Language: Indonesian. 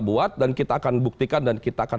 buat dan kita akan buktikan dan kita akan